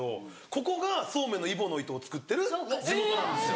ここがそうめんの揖保乃糸を作ってる地元なんですよ。